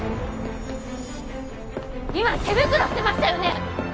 今手袋捨てましたよね？